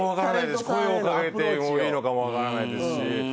声をかけてもいいのかも分からないですし。